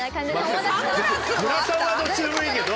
グラサンはどっちでもいいけど。